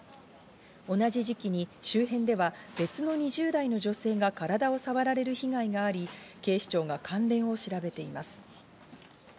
同じ時期に周辺では別の２０代の女性が体をさわられる被害があり、警視庁が関連を調べています。